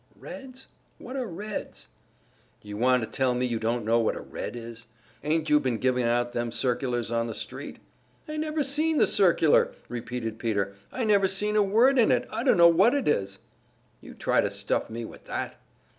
"Reds? What are Reds?" "You want to tell me you don't know what a Red is? Aint you been giving out them circulars on the street?" "I never seen the circular!" repeated Peter. "I never seen a word in it; I dunno what it is." "You try to stuff me with that?"